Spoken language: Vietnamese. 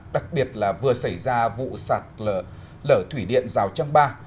đặc biệt là vừa xảy ra vụ sạt lở thủy điện rào trăng ba